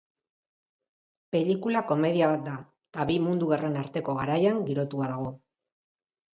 Pelikula komedia bat da eta bi mundu gerren arteko garaian girotua dago.